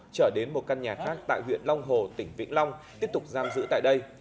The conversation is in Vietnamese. trở đến một căn nhà khác tại huyện long hồ tỉnh vĩnh long tiếp tục giam giữ tại đây